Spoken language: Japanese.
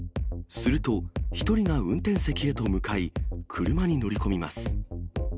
すると、１人が運転席へと向かい、車に乗り込みます。